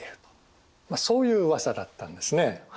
そういう噂だったんですね。